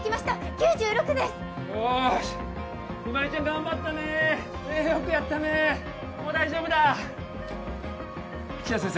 ９６ですよーし日葵ちゃん頑張ったねよくやったねもう大丈夫だ比奈先生